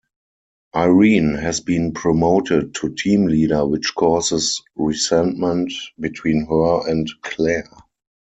Irene has been promoted to team leader which causes resentment between her and Clare.